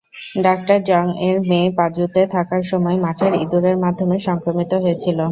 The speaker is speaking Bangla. ডাঃ জংয়ের মেয়ে পাজুতে, থাকার সময় মাঠের ইঁদুরের মাধ্যমে সংক্রমিত হয়েছিল।